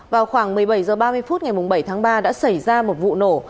vào khoảng một mươi bảy h ba mươi phút ngày bảy tháng ba đã xảy ra một vụ nổ